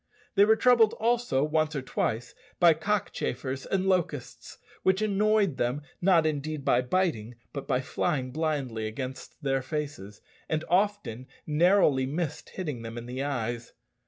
They were troubled also, once or twice, by cockchafers and locusts, which annoyed them, not indeed by biting, but by flying blindly against their faces, and often narrowly missed hitting them in the eyes.